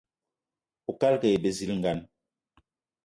Oukalga aye bizilgan.